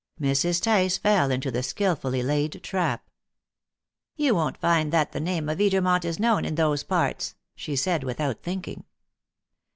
Mrs. Tice fell into the skilfully laid trap. "You won't find that the name of Edermont is known in those parts," she said, without thinking.